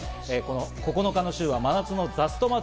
９日の週は真夏のザスト祭。